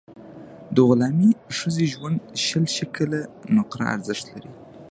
د غلامي ښځې ژوند شل شِکِل نقره ارزښت لري.